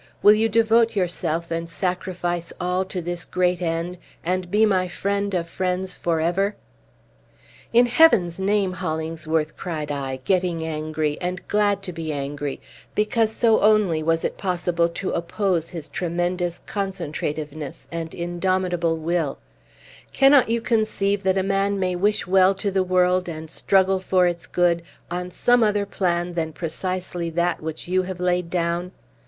Will you devote yourself, and sacrifice all to this great end, and be my friend of friends forever?" "In Heaven's name, Hollingsworth," cried I, getting angry, and glad to be angry, because so only was it possible to oppose his tremendous concentrativeness and indomitable will, "cannot you conceive that a man may wish well to the world, and struggle for its good, on some other plan than precisely that which you have laid down?